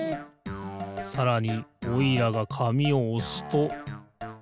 さらにおいらが紙をおすと。